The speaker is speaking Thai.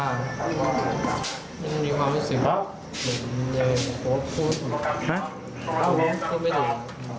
มันมีความรู้สึกเหมือนในโปรด